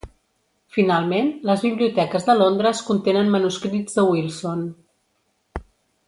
Finalment, les biblioteques de Londres contenen manuscrits de Wilson.